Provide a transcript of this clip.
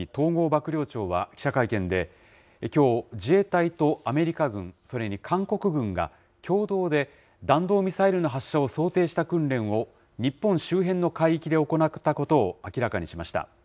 幕僚長は記者会見で、きょう、自衛隊とアメリカ軍、それに韓国軍が、共同で弾道ミサイルの発射を想定した訓練を日本周辺の海域で行ったことを明らかにしました。